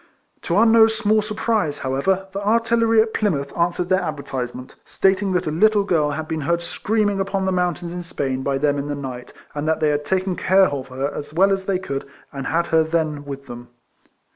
To our no small surprise, however, the artillery at Plymouth answered their advertisement, stating that a little girl had been heard screaming upon the moun tains in Spain by them in the night, and that they had taken care of her as well as 142 RECOLLECTIONS OF they could, and bad her then with them.